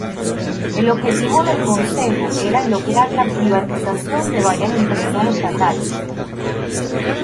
El objetivo del consejo era lograr la privatización de varias empresas estatales.